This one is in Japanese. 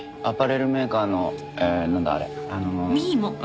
アパレルメーカーのえーなんだ？